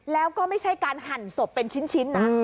แล้วก็ไม่ใช่การหั่นศพเป็นชิ้นนะ